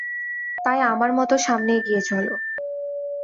তাই আমার মত সামনে এগিয়ে চলো।